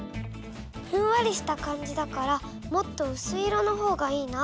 ふんわりした感じだからもっとうすい色のほうがいいな。